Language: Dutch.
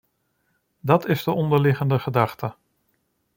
Dat is de onderliggende gedachte.